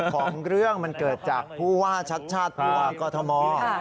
เรื่องของเรื่องมันเกิดจากผู้ว่าชัดหัวกฎธมครับ